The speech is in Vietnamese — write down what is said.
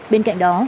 bên cạnh đó